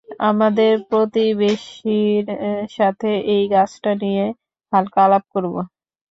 আমাদের প্রতিবেশীর সাথে এই গাছটা নিয়ে হালকা আলাপ করবো।